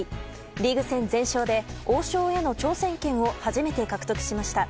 リーグ戦全勝で王将への挑戦権を初めて獲得しました。